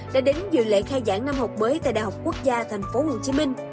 đã đến dự lễ khai giảng năm học mới tại đại học quốc gia thành phố hồ chí minh